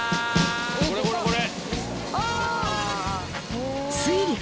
これこれこれ。